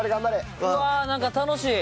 うわあなんか楽しい。